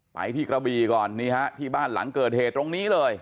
ไปที่กระบีก่อนนี่ฮะที่บ้านหลังเกิดเหตุตรงนี้เลย